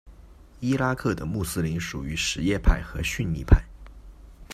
伊拉克的穆斯林属于什叶派和逊尼派。